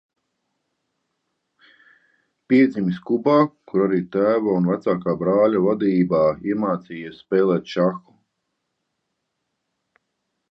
Piedzimis Kubā, kur arī tēva un vecākā brāļa vadībā iemācījies spēlēt šahu.